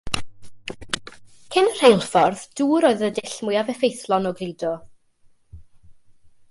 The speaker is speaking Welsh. Cyn y rheilffordd, dŵr oedd y dull mwyaf effeithlon o gludo.